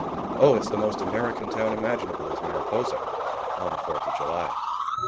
Oh, it's the most American town imaginable is Mariposa, on the fourth of July.